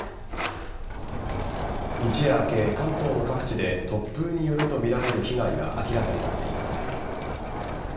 一夜明け、関東の各地で突風によるとみられる被害が明らかになっています。